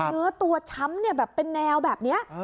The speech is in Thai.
หรือตัวช้ำเนี่ยเป็นแนวแบบเนี้ย